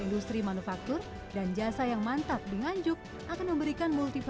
industri manufaktur dan jasa yang mantap di nganjuk akan memberikan multiplayer efek pada